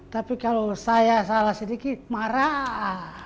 tapi kalau saya salah sedikit marah